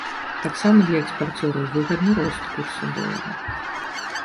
Таксама для экспарцёраў выгадны рост курса долара.